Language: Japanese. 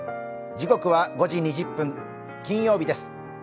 時刻は５時２０分金曜日です。